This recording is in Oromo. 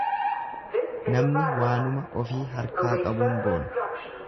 Namni waanuma ofii harkaa qabuun boona.